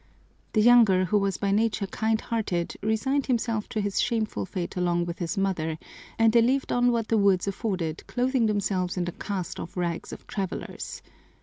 The younger, who was by nature kind hearted, resigned himself to his shameful fate along with his mother, and they lived on what the woods afforded, clothing themselves in the cast off rags of travelers.